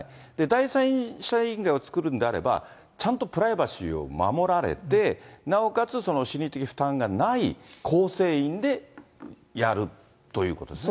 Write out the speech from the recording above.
第三者委員会を作るんであれば、ちゃんとプライバシーを守られて、なおかつその心理的負担がない構成員でやるということですね。